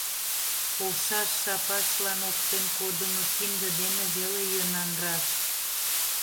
Полшаш шапашлан оптен кодымо кинде дене веле йӧнанрак.